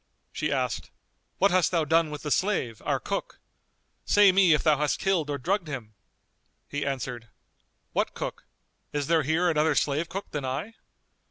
She asked, "What hast thou done with the slave, our cook?; say me if thou hast killed or drugged him?" He answered, "What cook? Is there here another slave cook than I?"